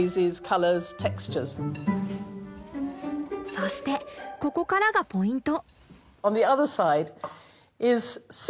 そしてここからがポイント。